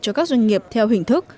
cho các doanh nghiệp theo hình thức